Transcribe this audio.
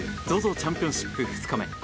チャンピオンシップ２日目。